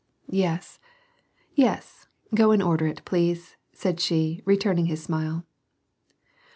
" Yes, yes, go and order it, please," said she, returning his smile.